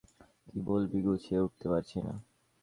কী বলবি গুছিয়ে উঠতে পারছি না।